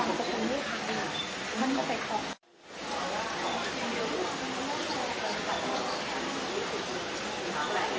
สวัสดีครับสวัสดีครับ